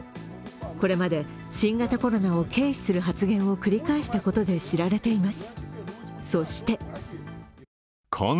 これまで新型コロナを軽視する発言を繰り返したことで知られています。